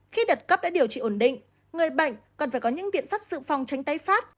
khi đợt cấp đã điều trị ổn định người bệnh cần phải có những biện pháp sự phòng tránh tái phát